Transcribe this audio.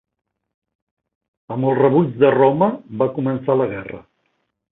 Amb el rebuig de Roma, va començar la guerra.